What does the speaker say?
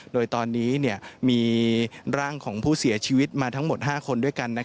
โดยตอนนี้มีร่างของผู้เสียชีวิตมาทั้งหมด๕คนด้วยกัน